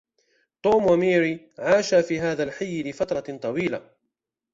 توم و ماري عاشا في هذا الحي لفتره طويله